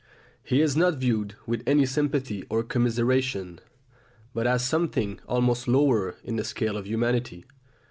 He is not viewed with any sympathy or commiseration, but as something almost lower in the scale of humanity.